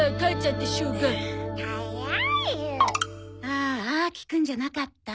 ああ聞くんじゃなかった。